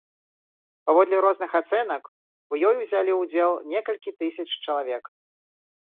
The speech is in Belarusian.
Паводле розных ацэнак, у ёй узялі ўдзел некалькі тысяч чалавек.